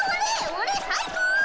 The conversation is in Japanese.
俺最高！